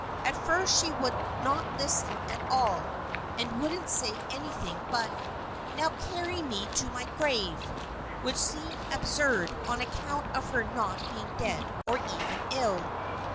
At first, she would not listen at all, and wouldn't say anything but, "Now carry me to my grave," which seemed absurd, on account of her not being dead, or even ill.